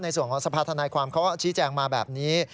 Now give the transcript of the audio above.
ในส่วนของสภาษณาความเขาชี้แจงมาแบบนี้